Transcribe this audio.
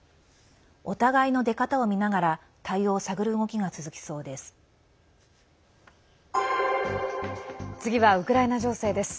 お互いの出方を見ながら対応を探る動きが続きそうです。